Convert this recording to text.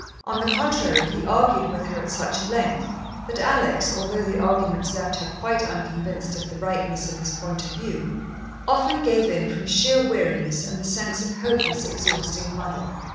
On the contrary, he argued with her at such length that Alex, although the arguments left her quite unconvinced of the Tightness of his point of view, often gave in from sheer weariness and the sense of hopeless, exhausting muddle.